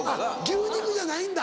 牛肉じゃないんだ。